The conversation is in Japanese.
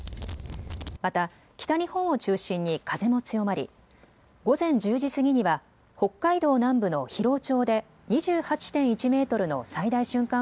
また北日本を中心に風も強まり午前１０時過ぎには北海道南部の広尾町で２８．１メートルの最大瞬間